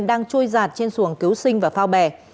đang trôi giạt trên xuồng cứu sinh và phao bè